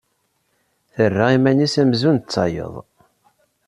Terra iman-is amzun d tayeḍ.